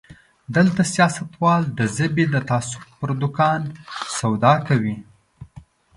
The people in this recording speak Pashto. دلته سياستوال د ژبې د تعصب په دوکان سودا کوي.